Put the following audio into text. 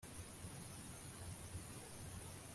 abakozi bagerageje kubahiriza itegeko rya shebuja